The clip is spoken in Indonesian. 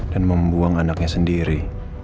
dan membuang anaknya sendiri